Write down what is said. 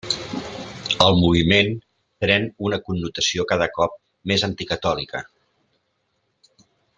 El moviment pren una connotació cada cop més anticatòlica.